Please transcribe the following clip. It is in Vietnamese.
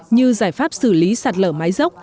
như giải pháp xử lý sản lửa mái dốc